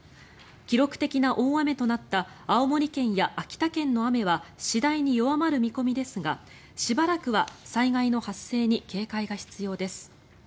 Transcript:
記録的な大雨となった青森県や秋田県の雨は次第に弱まる見込みですがしばらくは災害の発生に警戒が必要です。